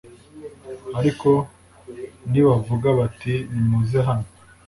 ariko nibavuga bati nimuze hano'